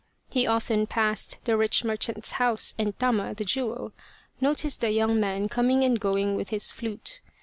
He often passed the rich merchant's house and Tama, the Jewel, noticed the young man coming and going with his flute.